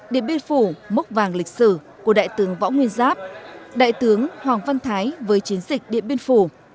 điện biên phủ mốc vàng lịch sử của đại tướng võ nguyên giáp đại tướng hoàng văn thái với chiến dịch điện biên phủ